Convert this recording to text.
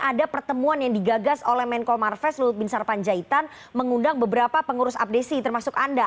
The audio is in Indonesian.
ada pertemuan yang digagas oleh menko marves lut bin sarpanjaitan mengundang beberapa pengurus abdesi termasuk anda